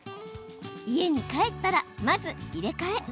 家に帰ったらまず、入れ替え。